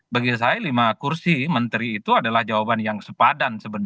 bagi saya lima kursi menteri itu adalah jawaban yang sepadan sebenarnya